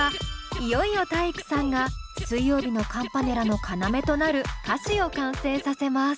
いよいよ体育さんが水曜日のカンパネラの要となる歌詞を完成させます。